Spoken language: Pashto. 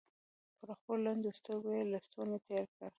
پر خپلو لندو سترګو يې لستوڼۍ تېر کړ.